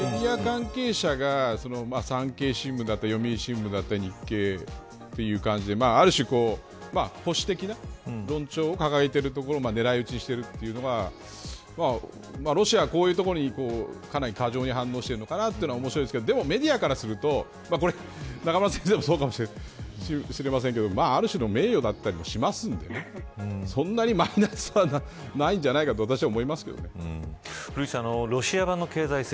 メディア関係者が産経新聞だったり読売新聞だったり日経という感じで、ある種保守的な論調を掲げているところを狙い撃ちしているというのがロシアはこういうところにかなり過剰に反応しているのかなというのが面白いですけどでもメディアからすると中村先生もそうかもしれませんけれどもある種の名誉だったりもしますので、そんなにマイナスはないんじゃないかと私は思います。